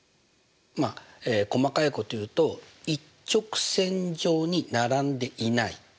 まあ細かいこと言うと一直線上に並んでいない。